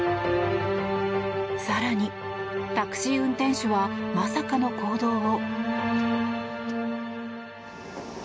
更に、タクシー運転手はまさかの行動を。